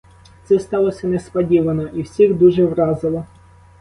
Це сталося несподівано і всіх дуже вразило.